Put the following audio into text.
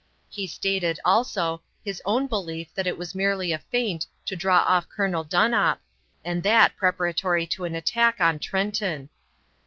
He stated, also, his own belief that it was merely a feint to draw off Colonel Donop, and that preparatory to an attack on Trenton.